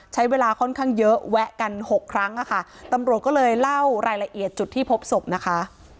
ใช้เวลาค่อนข้างเยอะแวะกันหกครั้งอะค่ะตำรวจก็เลยเล่ารายละเอียดจุดที่พบศพนะคะ